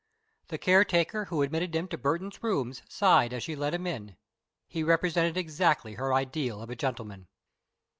The caretaker who admitted him to Burton's rooms sighed as she let him in. He represented exactly her ideal of a gentleman.